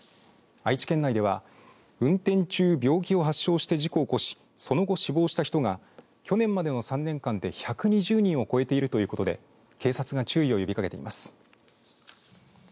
愛知県内では運転中病気を発症して事故を起こしその後死亡した人が去年までの３年間で１２０人を超えているということで警察が注意を呼びかけています。